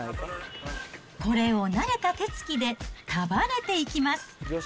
これを慣れた手つきで束ねていきます。